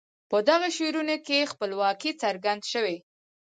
په دغو شعرونو کې خپلواکي څرګند شوي.